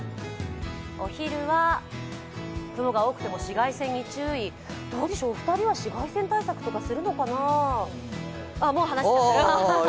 お昼は雲が多くても紫外線に注意、二人は紫外線対策とかするのかな？